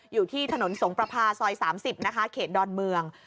อยู่ที่ถนนสงประพาซอย๓๐นะคะเขตดอนเมือง